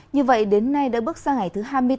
như vậy đến nay đã bước sang ngày thứ hai mươi bốn